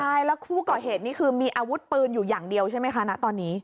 ใช่แล้วคู่ก่อเหตุนี่คือมีอาวุธปืนอยู่อย่างเดียวใช่ไหมคะณตอนนี้